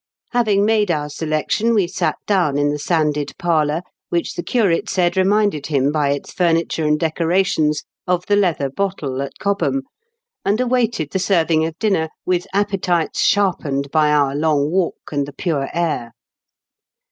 Having made our selection, we sat down in the sanded parlour, which the curate said reminded him by its furniture and decorations of The Leather Bottle at Cobham, and awaited the serving of dinner with appetites sharpened by our long walk and the pure air.